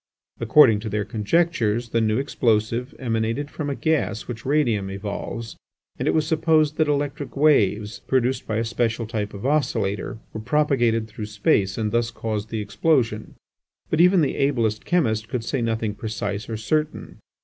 According to their conjectures the new explosive emanated from a gas which radium evolves, and it was supposed that electric waves, produced by a special type of oscillator, were propagated through space and thus caused the explosion. But even the ablest chemist could say nothing precise or certain.